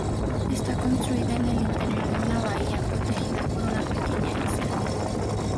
Está construida en el interior de una bahía, protegida por una pequeña isla.